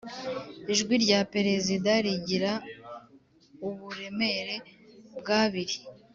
Ijwi rya perezida rigira uburemere bw abiri